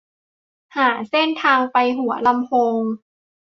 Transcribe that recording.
หาเส้นทางไปหัวลำโพง